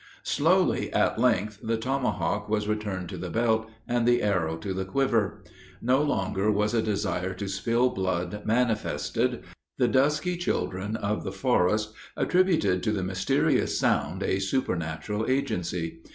Slowly at length, the tomahawk was returned to the belt, and the arrow to the quiver. No longer was a desire to spill blood manifested. The dusky children of the forest attributed to the mysterious sound a supernatural agency.